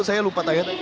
saya lupa tanya tadi